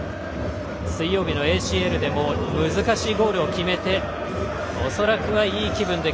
水曜日のＡＣＬでも難しいゴールを決めて恐らくは、いい気分で